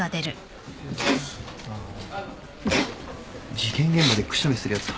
事件現場でくしゃみするやつ初めて見た。